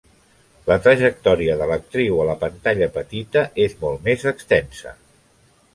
La trajectòria de l'actriu a la pantalla petita és molt més extensa.